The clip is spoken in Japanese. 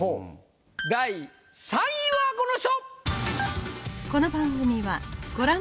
第３位はこの人！